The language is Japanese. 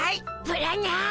ブラニャー。